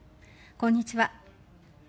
こんにちは。